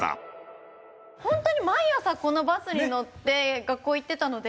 本当に毎朝このバスに乗って学校行ってたので。